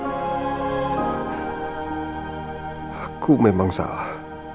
saya memang salah